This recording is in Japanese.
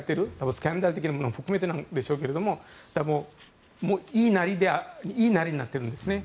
スキャンダル的なものも含めてなんでしょうけど言いなりになってるんですね。